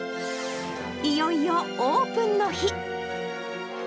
いよいよオープンの日。